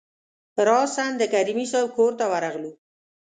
راسآ د کریمي صیب کورته ورغلو.